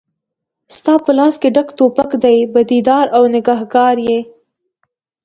ستا په لاس کې ډک توپک دی بدي دار او ګنهګار یې